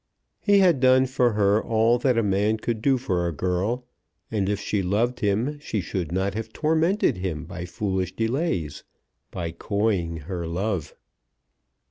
He had done for her all that a man could do for a girl, and if she loved him she should not have tormented him by foolish delays, by coying her love!